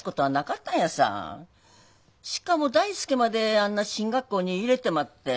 しかも大介まであんな進学校に入れてまって。